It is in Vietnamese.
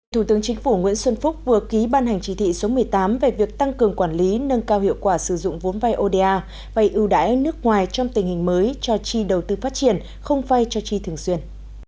thủ tướng chính phủ nguyễn xuân phúc vừa ký ban hành chỉ thị số một mươi tám về việc tăng cường quản lý nâng cao hiệu quả sử dụng vốn vai oda vay ưu đãi nước ngoài trong tình hình mới cho chi đầu tư phát triển không vai cho chi thường xuyên